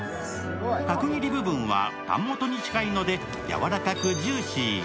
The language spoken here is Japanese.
角切り部分はタン元に近いのでやわらかくジューシー。